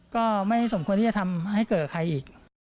ก็ไม่สมควรที่จะทำให้เกิดกับใครอีก